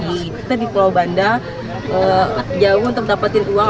kita di pulau banda jauh untuk dapetin uang